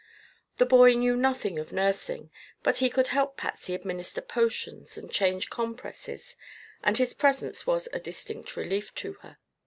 The boy knew nothing of nursing, but he could help Patsy administer potions and change compresses and his presence was a distinct relief to her.